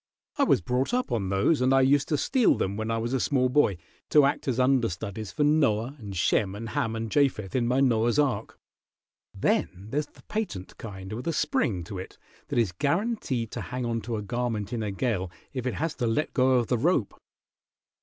I was brought up on those, and I used to steal them when I was a small boy, to act as understudies for Noah and Shem and Ham and Japheth in my Noah's ark. Then there's the patent kind with a spring to it that is guaranteed to hang onto a garment in a gale if it has to let go of the rope.